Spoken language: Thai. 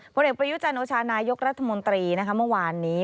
ผลเอกประยุจันโอชานายกรัฐมนตรีนะคะเมื่อวานนี้